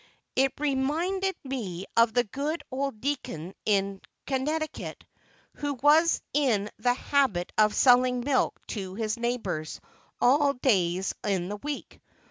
It reminded me of the good old deacon in Connecticut who was in the habit of selling milk to his neighbors on all days in the week.